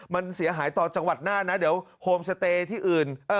มันเสียหายต่อจังหวัดน่านนะเดี๋ยวโฮมสเตย์ที่อื่น